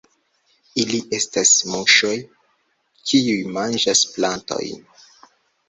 Ili estas muŝoj, kiuj manĝas plantojn.